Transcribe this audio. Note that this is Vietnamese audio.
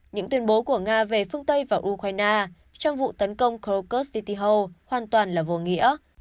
những tuyên bố của nga về phương tây và ukraine trong vụ tấn công krokus city ho hoàn toàn là vô nghĩa